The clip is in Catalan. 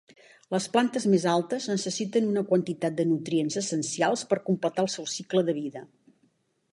Les plantes més altes necessiten una quantitat de nutrients essencials per completar el seu cicle de vida.